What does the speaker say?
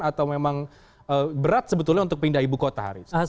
atau memang berat sebetulnya untuk pindah ibu kota haris